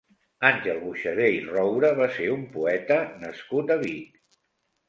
Àngel Boixader i Roura va ser un poeta nascut a Vic.